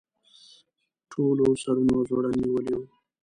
ټولو سرونه ځوړند نیولي وو.